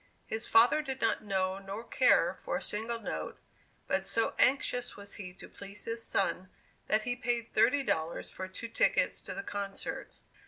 His father did not know nor care for a single note, but so anxious was he to please his son, that he paid thirty dollars for two tickets to the concert.